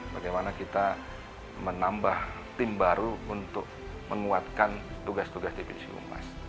bagaimana kita menambah tim baru untuk menguatkan tugas tugas divisi humas